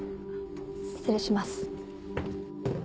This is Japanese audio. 失礼します。